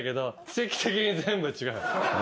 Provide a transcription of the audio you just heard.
奇跡的に全部違う。